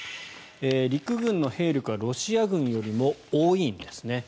陸軍の兵力はロシア軍よりも多いんですね。